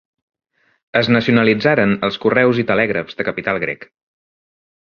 Es nacionalitzaren els Correus i Telègrafs de capital grec.